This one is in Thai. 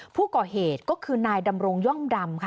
ผู้ก่อเหตุก็คือนายดำรงย่อมดำค่ะ